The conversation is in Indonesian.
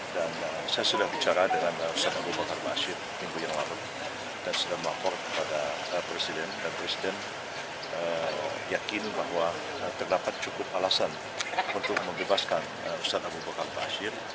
dan saya sudah bicara dengan ustadz abu bakar basir minggu yang lalu dan sudah memakor kepada presiden dan presiden yakin bahwa terdapat cukup alasan untuk membebaskan ustadz abu bakar basir